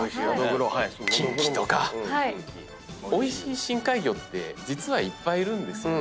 おいしい深海魚って実はいっぱいいるんですよね。